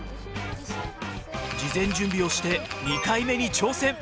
事前準備をして２回目に挑戦！